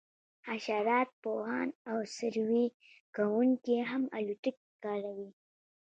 حشرات پوهان او سروې کوونکي هم الوتکې کاروي